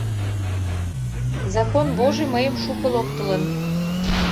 «Закон божий» мыйым шуко локтылын.